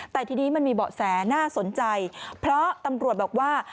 แต่ทีนี้มันมีเบาะแสน่าสนใจเพราะตำรวจบอกว่า